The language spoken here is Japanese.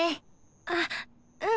あっうん。